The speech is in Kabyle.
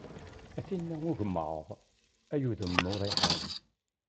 A tinn-a n ugemmaḍ, ay udem n uḍiḥan.